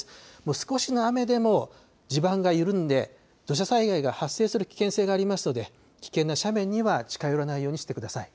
少しの雨でも地盤が緩んで土砂災害が発生する危険性がありますので危険な斜面には近寄らないようにしてください。